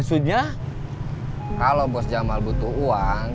khususnya aura vta satu tangan bisa bisa lakesh emang itu lebih murah ya